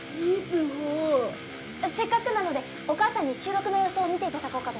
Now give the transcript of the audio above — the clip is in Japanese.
せっかくなのでお母さんに収録の様子を見て頂こうかと。